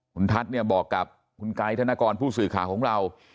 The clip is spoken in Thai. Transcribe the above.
คุณทัศน์เนี่ยบอกกับคุณไกด์ธนกรผู้สื่อข่าวของเรา